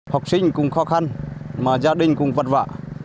học sinh cũng khó khăn mà gia đình cũng vật vạ